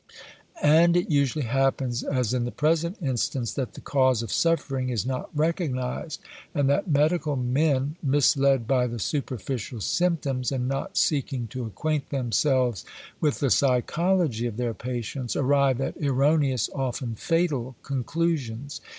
And it usually happens, as in the present instance, that the cause of suffering is not recognised; and that medical men, misled by the superficial symptoms, and not seeking to acquaint themselves with the psychology of their patients, arrive at erroneous, often fatal, conclusions.